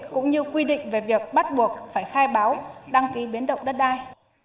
cũng như quy định về việc bắt buộc phải khai báo đăng ký biến động đất đai